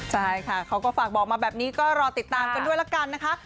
ใช่ค่ะเขาก็ฝากบอกมาแบบนี้ก็รอติดตามกันด้วยละกันนะคะ